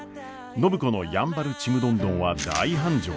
暢子のやんばるちむどんどんは大繁盛。